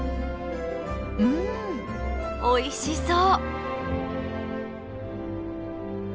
うんおいしそう！